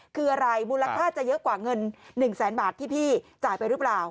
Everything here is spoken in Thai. คืออะไรมูลค่าจะเยอะกว่าเงิน๑แสนบาทที่พี่จ่ายไปหรือเปล่า